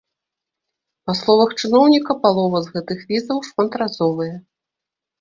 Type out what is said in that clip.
Па словах чыноўніка, палова з гэтых візаў шматразовыя.